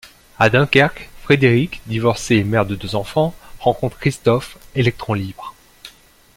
À Dunkerque, Frédérique, divorcée et mère de deux enfants, rencontre Christophe, électron libre.